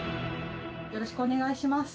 よろしくお願いします。